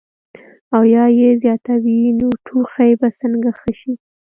او يا ئې زياتوي نو ټوخی به څنګ ښۀ شي -